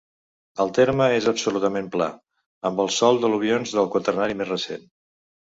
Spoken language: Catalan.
El terme és absolutament pla, amb el sòl d'al·luvions del quaternari més recent.